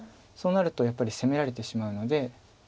そうなるとやっぱり攻められてしまうので。